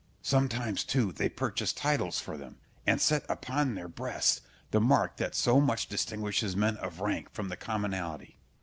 Sometimes too they purchase titles for them, and set upon their breasts the mark that so much distinguishes men of rank from the commonalty.